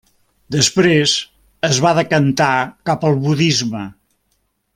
Després es va decantar cap al budisme.